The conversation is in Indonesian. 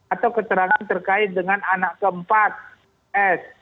atau keterangan terkait dengan anak keempat s